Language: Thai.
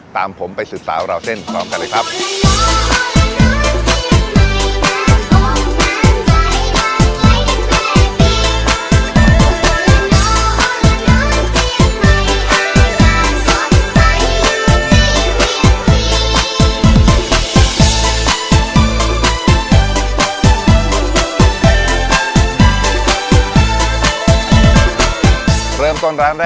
ตามผมไปสืบสาวราวเส้นพร้อมกันเลยครับ